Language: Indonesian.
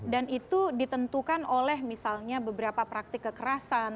dan itu ditentukan oleh misalnya beberapa praktik kekerasan